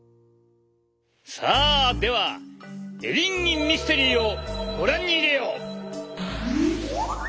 さあではエリンギミステリーをご覧に入れよう。